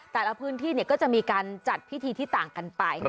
แต่ละพื้นที่ก็จะมีการจัดพิธีที่ต่างกันไป